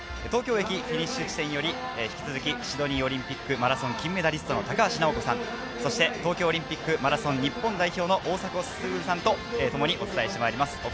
東京駅フィニッシュ地点より引き続きシドニーオリンピックマラソン金メダリストの高橋尚子さん、そして東京オリンピック、マラソン日本代表の大迫傑さんとともにお伝えしてまいります。